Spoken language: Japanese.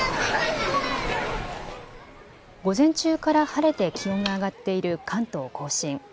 午前中から晴れて気温が上がっている関東甲信。